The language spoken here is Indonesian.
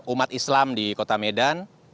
umat islam di kota medan